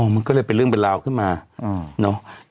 มันก็เลยเป็นเรื่องเป็นราวขึ้นมาเนาะ